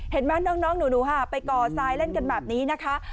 เห็นไหมน้องหนูค่ะไปก่อทรายเล่นกันแบบนี้นะคะ